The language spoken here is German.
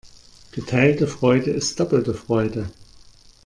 Geteilte Freude ist doppelte Freude.